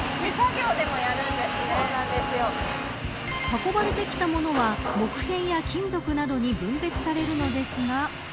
運ばれてきたものは木片や金属などに分別されるのですが。